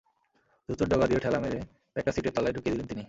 জুতোর ডগা দিয়ে ঠেলা মেরে ব্যাগটা সিটের তলায় ঢুকিয়ে দিলেন তিনি।